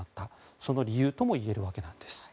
その理由ともいえるわけなんです。